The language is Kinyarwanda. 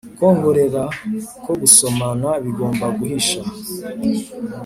kwongorera ko gusomana bigomba guhisha!